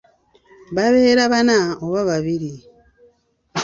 Babeera bana oba babiri.